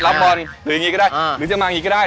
รับบอลหรือจะมาอย่างนี้ก็ได้